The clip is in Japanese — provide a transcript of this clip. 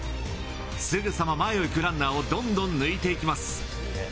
すぐさま前を行くランナーをどんどん抜いていきます。